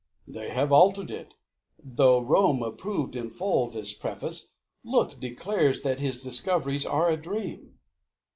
"They have altered it! Though Rome approved in full, this preface, look, Declares that his discoveries are a dream!"